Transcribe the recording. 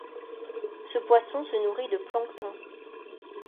Ce poisson se nourrit de plancton.